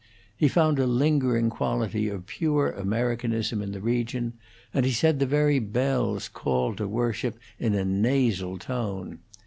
He found a lingering quality of pure Americanism in the region, and he said the very bells called to worship in a nasal tone.